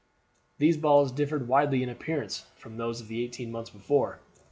These balls differed widely in appearance from those of eighteen months before.